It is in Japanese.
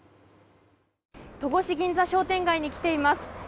戸越銀座商店街に来ています。